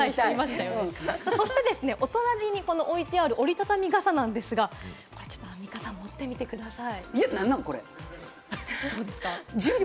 お隣に置いてある折りたたみ傘なんですが、ちょっとアンミカさん、持ってみてください。